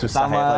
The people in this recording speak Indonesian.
susah ya pak